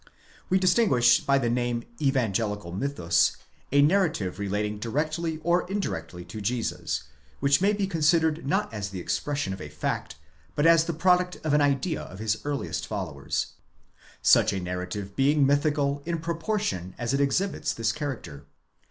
We distinguish by the name evangelYcal mythus a narrative relating directly or indirectly to Jesus, which may be considered not as the expression of a fact, but as the product of an idea of his earliest followers: such a narrative being mythical in proportion as it exhibits this character.